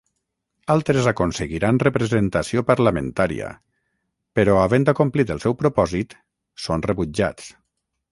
Altres aconseguiran representació parlamentària, però havent acomplit el seu propòsit, són rebutjats.